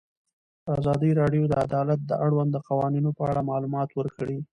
ازادي راډیو د عدالت د اړونده قوانینو په اړه معلومات ورکړي.